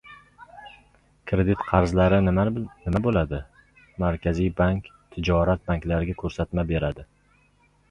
Kredit qarzlari nima bo‘ladi? Markaziy bank tijorat banklariga ko‘rsatma berdi